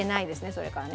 それからね。